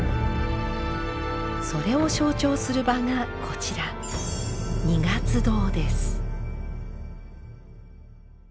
それを象徴する場がこちら二月堂です。